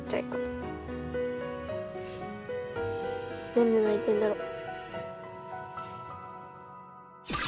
何で泣いてんだろう。